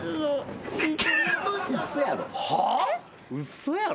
嘘やろ。